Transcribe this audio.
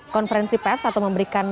konferensi pers atau memberikan